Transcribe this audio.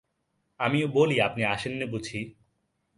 আমি বলি আপনি আসেন নি বুঝি।